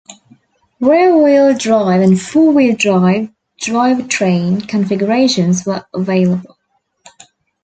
Rear-wheel drive and four-wheel drive drivetrain configurations were available.